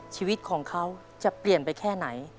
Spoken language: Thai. ชีวิตของเขาจะเปลี่ยนไปแค่ไหน